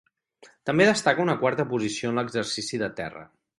També destaca una quarta posició en l'exercici de terra.